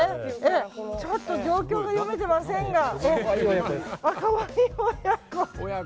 ちょっと状況が読めてませんが。